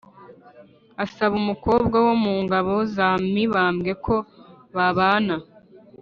asaba umukobwa wo mu ngabo za mibambwe ko babana